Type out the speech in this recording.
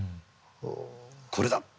これだ！